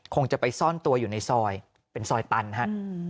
คงจะไปซ่อนตัวอยู่ในซอยเป็นซอยตันฮะ